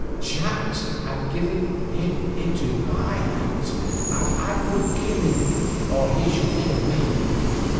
Chance had given him into my hand, and I would kill him or he should kill me.